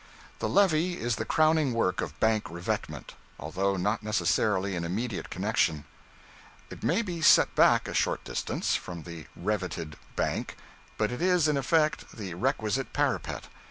The levee is the crowning work of bank revetment, although not necessarily in immediate connection. It may be set back a short distance from the revetted bank; but it is, in effect, the requisite parapet.